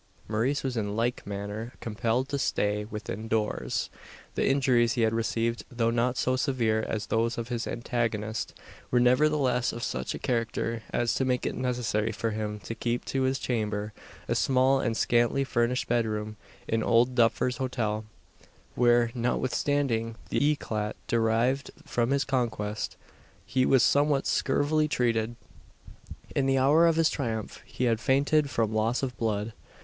Maurice was in like manner compelled to stay within doors. The injuries he had received, though not so severe as those of his antagonist, were nevertheless of such a character as to make it necessary for him to keep to his chamber a small, and scantily furnished bedroom in "Old Duffer's" hotel; where, notwithstanding the eclat derived from his conquest, he was somewhat scurvily treated. In the hour of his triumph, he had fainted from loss of blood.